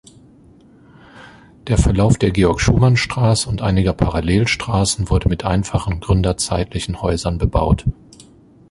Der Verlauf der Georg-Schumann-Straße und einiger Parallelstraßen wurde mit einfachen gründerzeitlichen Häusern bebaut.